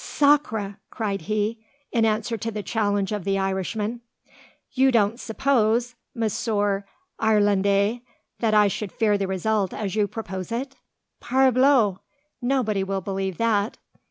"Sacre!" cried he, in answer to the challenge of the Irishman; "you don't suppose, Monsieur Irlandais, that I should fear the result as you propose it? Parbleu! nobody will believe that.